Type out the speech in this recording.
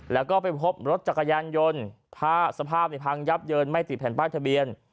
แล้วก็ไปพบรถจักรยานยนต์ถ้าสภาพในพังยับเยินไม่ติดแผ่นป้ายทะเบียน